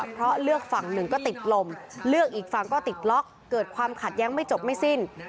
เพราะเลือกฝั่งหนึ่งก็ติดลมเลือกอีกฝั่งก็ติดล็อกเกิดความขัดแย้งไม่จบไม่สิ้น